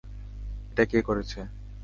এটা কে করেছে?